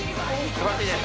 すばらしいです